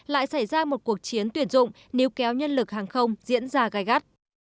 lại xảy ra một cuộc chiến tuyển dụng nếu kéo nhân lực hàng không diễn ra gai gắt